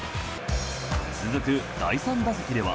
続く第３打席では。